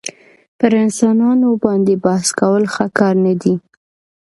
پر انسانانو باندي بحث کول ښه کار نه دئ.